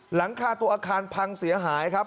หลังคาตัวอาคารพังเสียหายครับ